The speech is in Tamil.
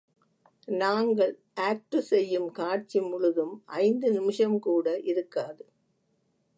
நாங்கள் ஆக்டு செய்யும் காட்சி முழுதும் ஐந்து நிமிஷம்கூட இருக்காது.